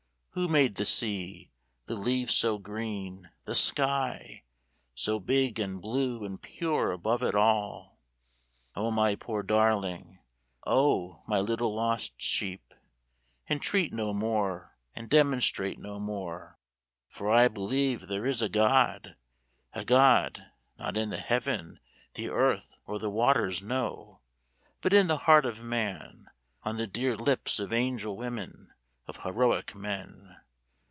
Who made the sea, the leaves so green, the sky So big and blue and pure above it all? O my poor darling, O my little lost sheep, Entreat no more and demonstrate no more; For I believe there is a God, a God Not in the heaven, the earth, or the waters; no, But in the heart of man, on the dear lips Of angel women, of heroic men!